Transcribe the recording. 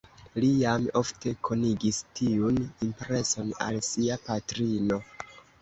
Li jam ofte konigis tiun impreson al sia patrino.